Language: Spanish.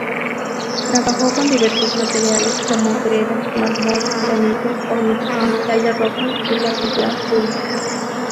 Trabajó con diversos materiales, como greda, mármol, granito, ónix, cristal de roca y lapislázuli.